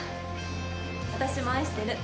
私も愛してる。